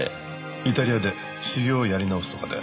イタリアで修業をやり直すとかで。